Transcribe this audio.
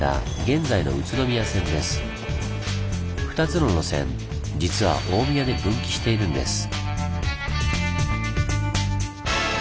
２つの路線実は大宮で分岐しているんです。